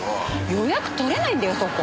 予約取れないんだよそこ！